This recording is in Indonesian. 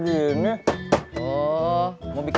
tidak ada yang bisa dipercaya